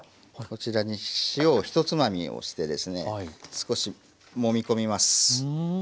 こちらに塩を１つまみをしてですね少しもみこみます。